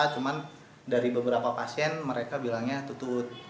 cuma dari beberapa pasien mereka bilangnya tutut